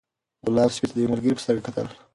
غلام سپي ته د یو ملګري په سترګه کتل.